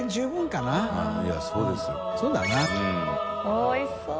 おいしそう！